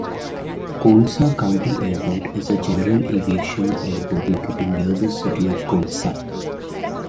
Colusa County Airport is a general-aviation airport located near the city of Colusa.